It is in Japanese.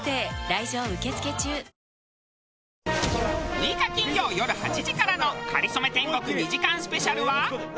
６日金曜よる８時からの『かりそめ天国』２時間スペシャルは。